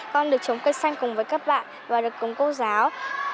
con được trồng cây xanh cùng với các bạn và được cùng cô giáo